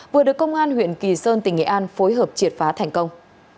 vừa được công an huyện kỳ sơn tỉnh nghệ an phối hợp triệt phá thành công